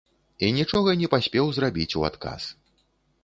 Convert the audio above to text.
І нічога не паспеў зрабіць у адказ.